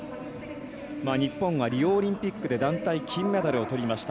日本はリオオリンピックで団体金メダルをとりました。